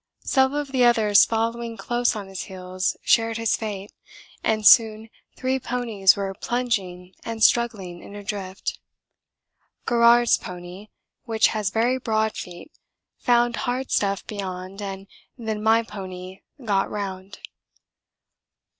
Several of the others following close on his heels shared his fate, and soon three ponies were plunging and struggling in a drift. Garrard's pony, which has very broad feet, found hard stuff beyond and then my pony got round.